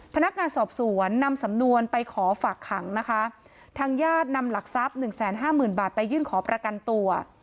พนักงานสอบสวนนำสำนวนไปขอฝากขังนะคะทางญาตินำหลักทรัพย์หนึ่งแสนห้าหมื่นบาทไปยื่นขอประกันตัว